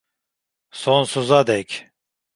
Sonsuza dek.